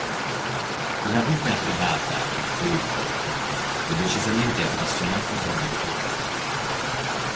La vita privata di Cole Porter fu decisamente appassionata e avventurosa.